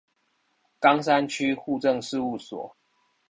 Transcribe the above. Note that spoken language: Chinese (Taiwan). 岡山區戶政事務所